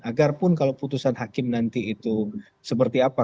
agar pun kalau putusan hakim nanti itu seperti apa